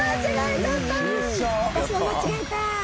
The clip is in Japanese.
私も間違えた。